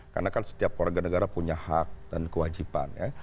karena kan setiap warga negara punya hak dan kewajiban ya